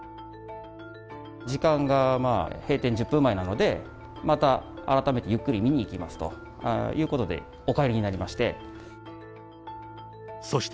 時間が閉店１０分前なので、また改めてゆっくり見に行きますということでお帰りになりまして。